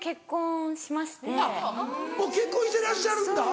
もう結婚してらっしゃるんだ。